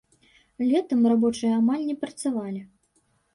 Летам рабочыя амаль не працавалі.